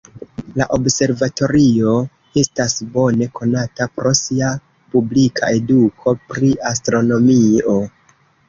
La observatorio estas bone konata pro sia publika eduko pri astronomio.